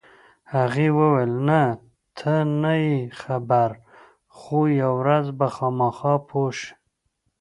هغې وویل: نه، ته نه یې خبر، خو یوه ورځ به خامخا پوه شې.